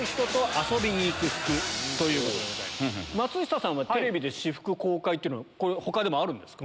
松下さんはテレビで私服公開他でもあるんですか？